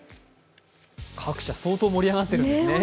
各社相当盛り上がっているんですね。